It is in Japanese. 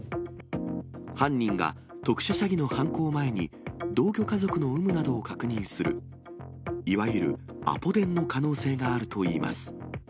犯人が特殊詐欺の犯行前に、同居家族の有無などを確認する、いわゆるアポ電の可能性があるといいます。